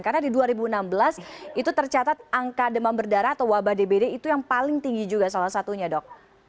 karena di dua ribu enam belas itu tercatat angka demam berdarah atau wabah dbd itu yang paling tinggi juga salah satunya dok